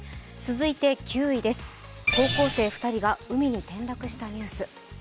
続いて９位、高校生２人が海に転落したニュース。